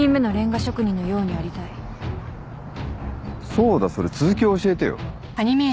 そうだそれ続きを教えてよ。